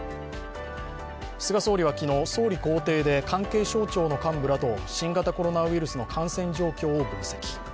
菅総理は昨日、総理公邸で関係省庁の幹部らと新型コロナウイルスの感染状況を分析。